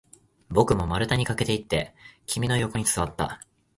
僕も丸太に駆けていって、君の横に座った